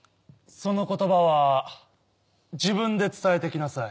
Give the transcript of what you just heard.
その言葉は自分で伝えてきなさい。